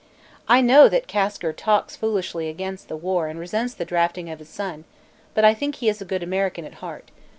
I know that Kasker talks foolishly against the war and resents the drafting of his son, but I think he is a good American at heart.